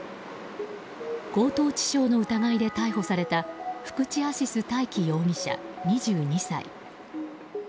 強盗致傷の疑いで逮捕された福地アシィス大樹容疑者、２２歳。